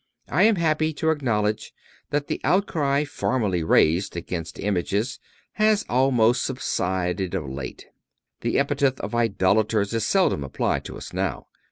I am happy to acknowledge that the outcry formerly raised against images has almost subsided of late. The epithet of idolaters is seldom applied to us now.